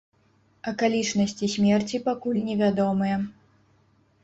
Акалічнасці смерці пакуль невядомыя.